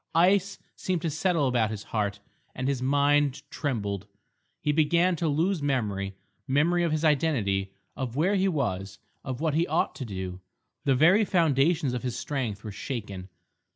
Ice seemed to settle about his heart, and his mind trembled. He began to lose memory—memory of his identity, of where he was, of what he ought to do. The very foundations of his strength were shaken.